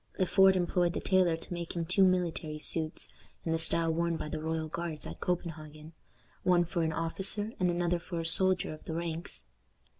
Le Fort employed the tailor to make him two military suits, in the style worn by the royal guards at Copenhagen one for an officer, and another for a soldier of the ranks.